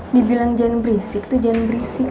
dibilang jangan berisik tuh jangan berisik